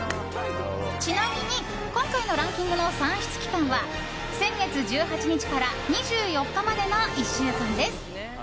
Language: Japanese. ちなみに今回のランキングの算出期間は先月１８日から２４日までの１週間です。